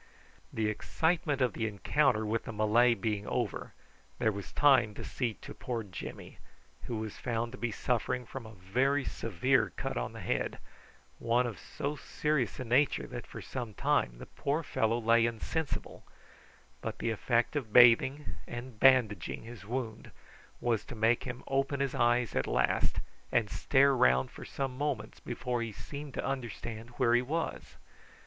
The excitement of the encounter with the Malay being over, there was time to see to poor Jimmy, who was found to be suffering from a very severe cut on the head, one of so serious a nature that for some time the poor fellow lay insensible; but the effect of bathing and bandaging his wound was to make him open his eyes at last, and stare round for some moments before he seemed to understand where he was.